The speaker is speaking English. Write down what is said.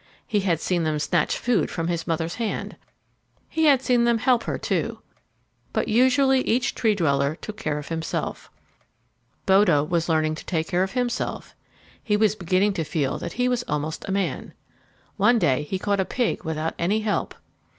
He had seen them snatch food from his mother's hand. He had seen them help her, too. But usually each Tree dweller took care of himself. Bodo was learning to take care of himself. He was beginning to feel that he was almost a man. One day he caught a pig without any help.